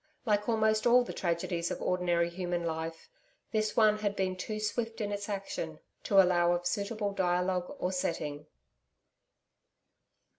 Like almost all the tragedies of ordinary human life, this one had been too swift in its action to allow of suitable dialogue or setting.